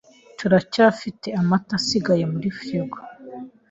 Turacyafite amata asigaye muri firigo.